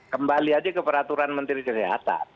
kembali aja ke peraturan menteri kesehatan